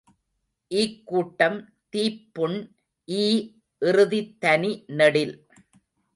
ஈக்கூட்டம், தீப்புண் ஈ இறுதித் தனி நெடில்.